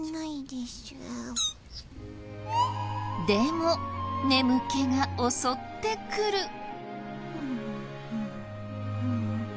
でも眠気が襲ってくる。